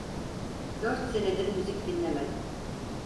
Dört senedir müzik dinlemedim!